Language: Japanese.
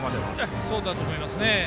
そうだと思いますね。